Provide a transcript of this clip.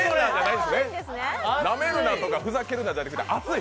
なめるなとかふざけるなとかじゃなくて暑い？